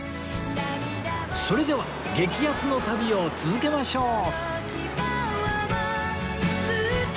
それでは激安の旅を続けましょう